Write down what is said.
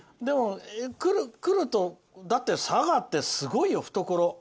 だって、佐賀ってすごいよ、懐。